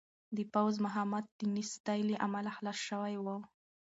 د پوځ مهمات د نېستۍ له امله خلاص شوي وو.